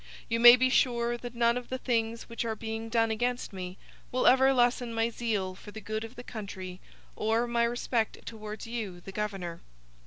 You may be sure that none of the things which are being done against me will ever lessen my zeal for the good of the country or my respect towards you, the governor.